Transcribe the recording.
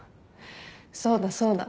そうだそうだ。